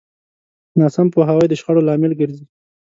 ناسم پوهاوی د شخړو لامل ګرځي.